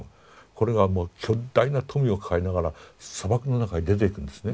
これがもう巨大な富を抱えながら砂漠の中に出ていくんですね。